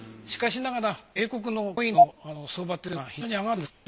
しかしながら英国のコインの相場っていうのは非常に上がっているんです。